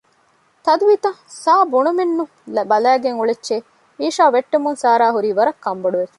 ތަދުވިތަ؟ ސާ ބުނަމެއްނު ބަލައިގެން އުޅެއްޗޭ! މީޝާ ވެއްޓުމުން ސާރާ ހުރީ ވަރަށް ކަންބޮޑުވެފަ